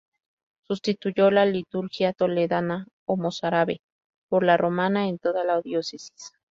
Sustituyó la liturgia toledana o mozárabe por la romana en toda la diócesis.